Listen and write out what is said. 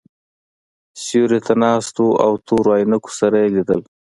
سیوري ته ناست وو او تورو عینکو سره یې لیدل.